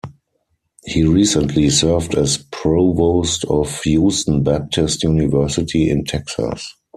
He recently served as Provost of Houston Baptist University in Texas.